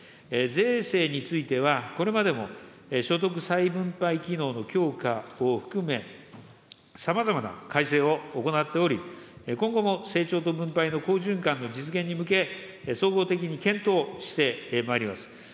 税制については、これまでも所得再分配機能の強化を含め、さまざまな改正を行っており、今後も成長と分配の好循環の実現に向け、総合的に検討してまいります。